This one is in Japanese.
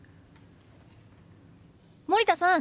森田さん